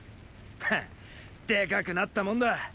ハッでかくなったもんだ。